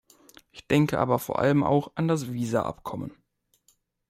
Ich denke aber vor allem auch an das Visa-Abkommen.